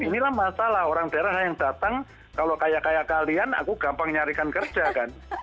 inilah masalah orang daerah yang datang kalau kaya kaya kalian aku gampang nyarikan kerja kan